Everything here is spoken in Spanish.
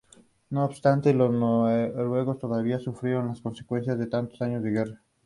No obstante, los noruegos todavía sufrieron las consecuencias de tantos años de guerra.